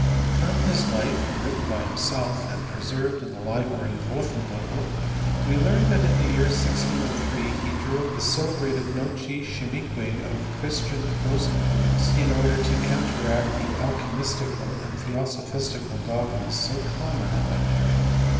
From his life, written by himself, and preserved in the library of Wolfenbuttel, we learn that in the year 1603 he drew up the cele brated Noce Chimique of Christian Rosenkreuz, in order to counteract the alchymistical and the theosophistical dogmas so common at that period.